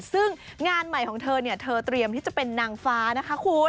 ซึ่งงานใหม่ของเธอเนี่ยเธอเตรียมที่จะเป็นนางฟ้านะคะคุณ